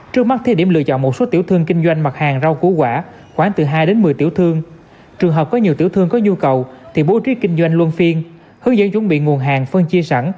trước mắt thi điểm lựa chọn một số tiểu thương kinh doanh mặt hàng rau củ quả